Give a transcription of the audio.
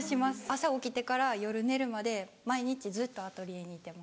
朝起きてから夜寝るまで毎日ずっとアトリエにいてます。